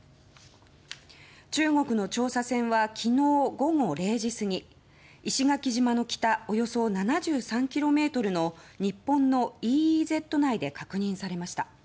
中国の調査船は昨日午後０時過ぎ石垣島の北およそ７３ｋｍの日本のＥＥＺ内で確認されました。